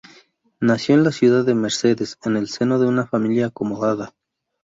Nació en la ciudad de Mercedes, en el seno de una familia acomodada.